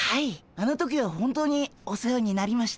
あの時は本当にお世話になりました。